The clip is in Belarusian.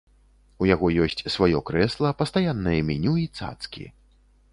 У яго ёсць сваё крэсла, пастаяннае меню і цацкі.